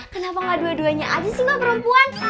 kenapa gak dua duanya aja sih mbak perempuan